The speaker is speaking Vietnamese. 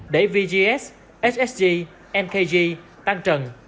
để vgs ssg nkg tăng trần